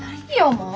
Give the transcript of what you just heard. もう！